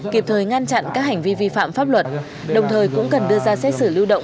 kịp thời ngăn chặn các hành vi vi phạm pháp luật đồng thời cũng cần đưa ra xét xử lưu động